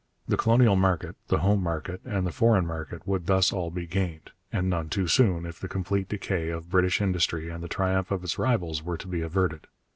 The colonial market, the home market, and the foreign market would thus all be gained, and none too soon, if the complete decay of British industry and the triumph of its rivals were to be averted.